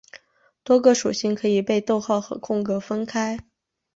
多个属性可以被逗号和空格分开。